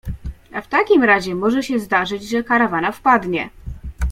A w takim razie może się zdarzyć, że karawana wpadnie.